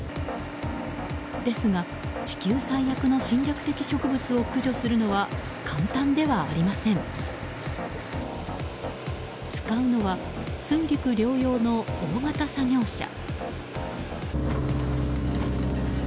ですが、地球最悪の侵略的植物を駆除するのは簡単ではありません。使うのは、水陸両用の大型作業車。